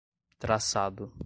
traçado